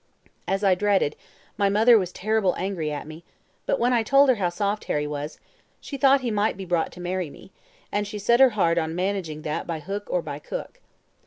"As I dreaded, my mother was terrible angry at me; but when I told her how soft Harry was, she thought he might be brought to marry me, and she set her heart on managing that by hook or by cook.